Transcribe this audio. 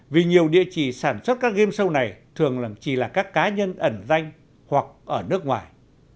vì nhiều địa chỉ sản xuất các game show này thường chỉ là các cá nhân ẩn danh hoặc ở nước ngoài